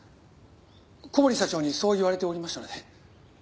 小堀社長にそう言われておりましたので。